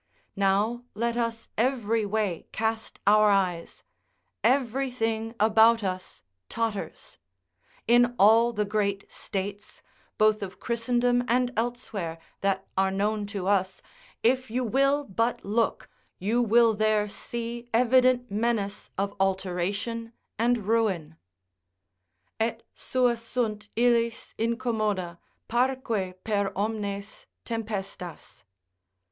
Now, let us everyway cast our eyes; everything about us totters; in all the great states, both of Christendom and elsewhere, that are known to us, if you will but look, you will there see evident menace of alteration and ruin: "Et sua sunt illis incommoda; parque per omnes Tempestas."